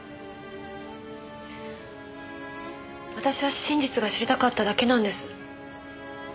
私は真実が知りたかっただけなんです。